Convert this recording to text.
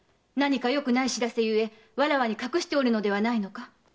何かよくない知らせゆえわらわに隠しておるのでは？